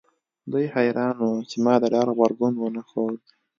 دوی حیران وو چې ما د ډار غبرګون ونه ښود